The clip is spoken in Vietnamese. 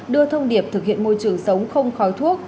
đưa thông điệp thực hiện môi trường sống không khói thuốc